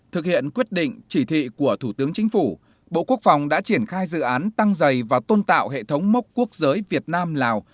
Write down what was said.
thực hiện quyết định chỉ thị của thủ tướng chính phủ bộ quốc phòng đã triển khai dự án tăng dày và tôn tạo hệ thống mốc quốc giới việt nam lào